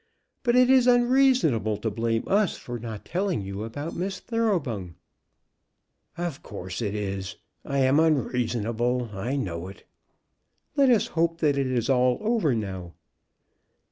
But it is unreasonable to blame us for not telling you about Miss Thoroughbung." "Of course it is. I am unreasonable, I know it." "Let us hope that it is all over now."